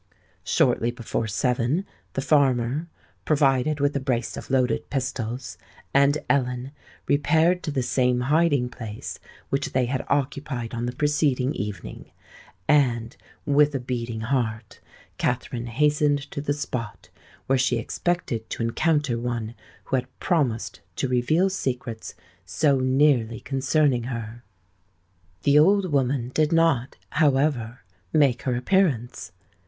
Shortly before seven, the farmer (provided with a brace of loaded pistols) and Ellen repaired to the same hiding place which they had occupied on the preceding evening; and, with a beating heart, Katherine hastened to the spot where she expected to encounter one who had promised to reveal secrets so nearly concerning her. The old woman did not, however, make her appearance.